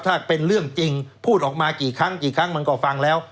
ถ้าเป็นเรื่องจริงพูดออกมากี่ครั้งกี่ครั้งมันก็ฟังแล้ว